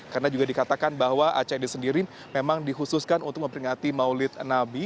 karena juga dikatakan bahwa acara ini sendiri memang dikhususkan untuk memperingati maulid nabi